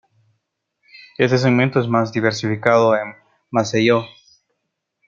Este segmento es más diversificado en Maceió.